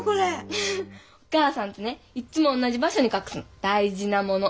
フフフお母さんってねいっつもおんなじ場所に隠すの大事なもの。